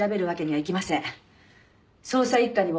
はい。